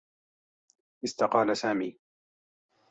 استقال سامي.